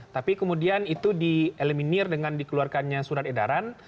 tapi kemudian itu di eliminir dengan dikeluarkannya surat edaran